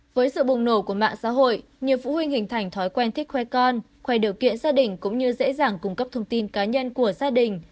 với sự bùng nổ của mạng xã hội nhiều phụ huynh hình thành thói quen thích khoe con khoe điều kiện gia đình cũng như dễ dàng cung cấp thông tin cá nhân của gia đình